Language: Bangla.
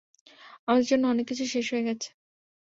আমাদের জন্য অনেক কিছুই শেষ হয়ে গেছে।